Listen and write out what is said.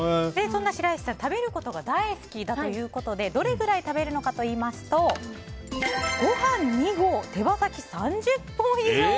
そんな白石さん食べることが大好きということでどれぐらい食べるのかと言いますとご飯２合、手羽先３０本以上！